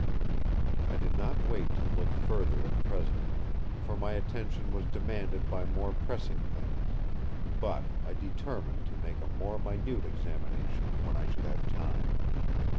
I did not wait to look further at present, for my attention was demanded by more pressing things; but I determined to make a more minute examination when I should have time.